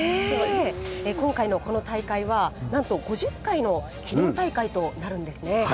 今回のこの大会は、何と５０回の記念大会となるんですね。